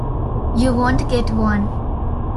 You won't get one.